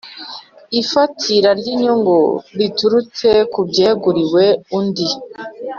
Ifatira ry inyungu ziturutse ku byeguriwe undi